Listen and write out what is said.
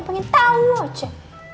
pengen tahu aja